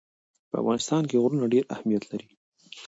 په افغانستان کې غرونه ډېر اهمیت لري.